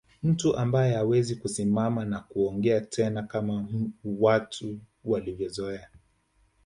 Mtu ambae hawezi kusimama na kuongea tena kama watu walivyozoea